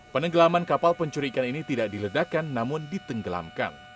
penenggelaman kapal pencuri ikan ini tidak diledakkan namun ditenggelamkan